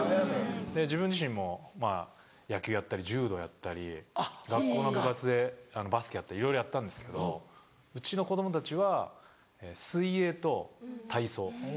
自分自身もまぁ野球やったり柔道やったり学校の部活でバスケやったりいろいろやったんですけどうちの子供たちは水泳と体操。